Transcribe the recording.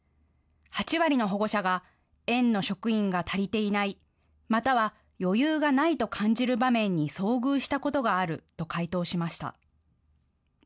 ８割の保護者が園の職員が足りていない、または余裕がないと感じる場面に遭遇したことがあると回答しました。